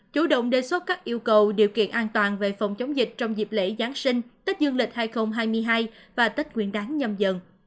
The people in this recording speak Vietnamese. chủ động đề xuất các yêu cầu điều kiện an toàn về phòng chống dịch trong dịp lễ giáng sinh tết dương lịch hai nghìn hai mươi hai và tết nguyên đáng nhầm dần dần